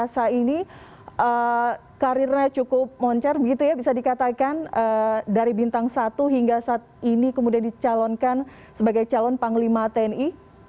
pak agus pak perkasa ini karirnya cukup moncar begitu ya bisa dikatakan dari bintang satu hingga saat ini kemudian dicalonkan sebagai calon panglima tni